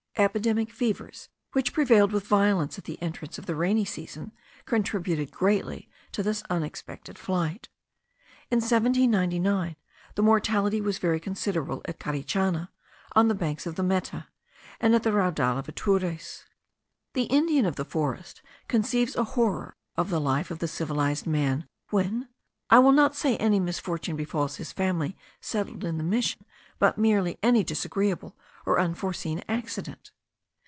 Epidemic fevers, which prevailed with violence at the entrance of the rainy season, contributed greatly to this unexpected flight. In 1799 the mortality was very considerable at Carichana, on the banks of the Meta, and at the Raudal of Atures. The Indian of the forest conceives a horror of the life of the civilized man, when, I will not say any misfortune befalls his family settled in the mission, but merely any disagreeable or unforeseen accident.